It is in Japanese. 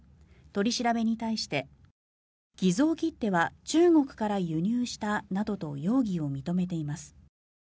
取り調べに対して、偽造切手は中国から輸入したなどと容疑を認めています。